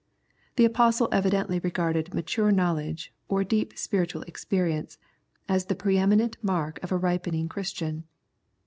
The Apostle evidently regarded mature knowledge, or deep spiritual experience, as the pre eminent mark of a ripening Christian.